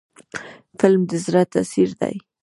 فلم د زړه تاثیر دی